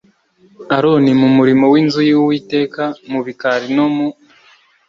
aroni mu murimo w inzu y uwiteka mu bikari no mu